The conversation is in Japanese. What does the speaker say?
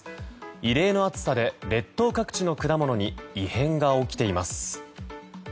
異例の暑さで列島各地の果物に異変が起きています。